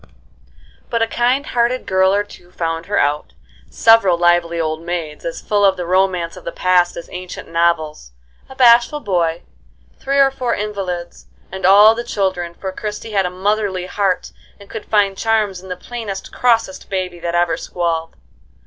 But a kind hearted girl or two found her out, several lively old maids, as full of the romance of the past as ancient novels, a bashful boy, three or four invalids, and all the children, for Christie had a motherly heart and could find charms in the plainest, crossest baby that ever squalled.